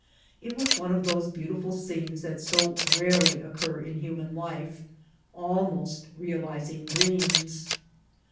It was one of those beautiful scenes that so rarely occur in human life, al* most realizing dreams.